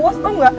wos tau nggak